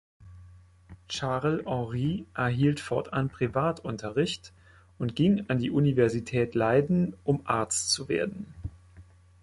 Charles-Henri erhielt fortan Privatunterricht und ging an die Universität Leiden, um Arzt zu werden.